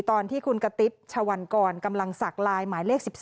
ตอนที่คุณกะติ๊บชะวันก่อนกำลังศักดิ์ไลน์หมายเลข๑๓